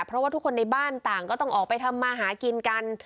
เพราะว่าทุกคนในบ้านต่างก็ต้องออกไปทำมาหากินกัน